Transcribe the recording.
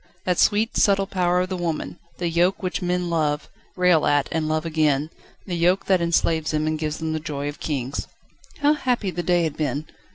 that sweet, subtle power of the woman: the yoke which men love, rail at, and love again, the yoke that enslaves them and gives them the joy of kings. How happy the day had been!